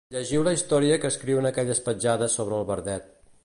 Llegiu la història que escriuen aquelles petjades sobre el verdet.